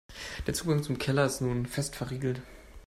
Der Zugang zum Keller ist nun fest verriegelt.